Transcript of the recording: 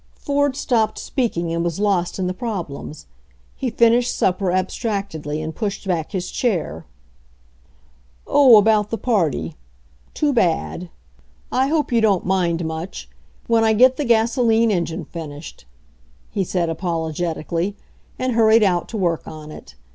Ford stopped speaking and was lost in the prob lems. He finished supper abstractedly and pushed back his chain "Oh, about the party. Too bad. I hope you EIGHT HOURS 77 don't mind much. When I get the gasoline en gine finished," he said apologetically, and hurried out to work on it.